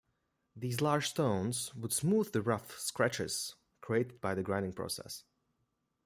These large stones would smooth the rough scratches created by the grinding process.